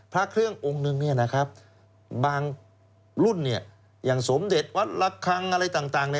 พระเครื่ององค์นึงบางรุ่นอย่างสมเด็จวัดละคังอะไรต่าง